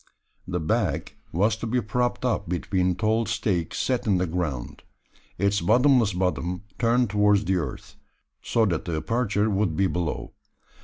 The bag was to be propped up between tall stakes set in the ground; its bottomless bottom turned towards the earth, so that the aperture would be below.